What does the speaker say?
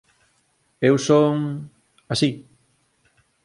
Eu son... así.